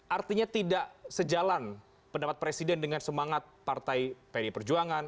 artinya tidak sejalan pendapat presiden dengan semangat partai pdi perjuangan